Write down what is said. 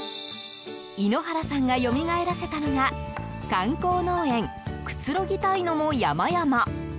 猪原さんがよみがえらせたのが観光農園くつろぎたいのも山々。